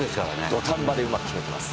土壇場でうまく決めてます。